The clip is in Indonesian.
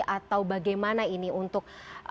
atau bagaimana ini untuk